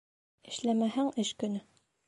Эшләмәһәң эш көнө